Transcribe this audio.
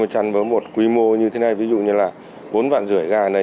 chăn với một quy mô như thế này ví dụ như là bốn vạn rưỡi gà này